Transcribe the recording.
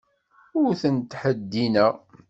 Ur ten-ttheddineɣ.